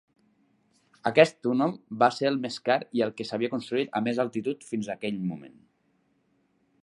Aquest túnel va ser el més car i el que s'havia construït a més altitud fins a aquell moment.